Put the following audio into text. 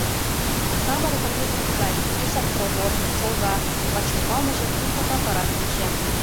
Самырык рвезе тугай, пешак провор, чолга, вачӱмбалныже кум фотоаппарат кеча.